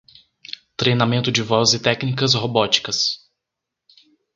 Treinamento de voz e técnicas robóticas